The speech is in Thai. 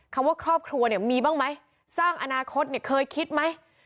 ว่าครอบครัวเนี่ยมีบ้างไหมสร้างอนาคตเนี่ยเคยคิดไหม